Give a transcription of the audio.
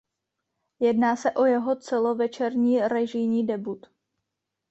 Jedná se o jeho celovečerní režijní debut.